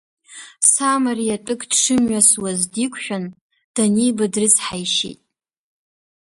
Самариатәык дшымҩасуаз диқәшәан, даниба дрыцҳеишьеит.